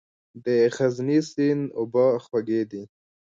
د غزني سیند اوبه خوږې دي